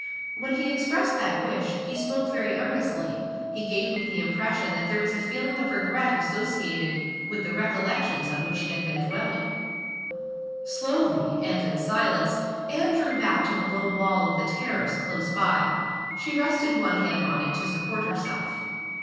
When he expressed that wish, he spoke very earnestly he gave me the impression that there was a feeling of regret associated with the recollections on which he had been dwelling." Slowly, and in silence, Anne drew back to the low wall of the terrace close by. She rested one hand on it to support herself.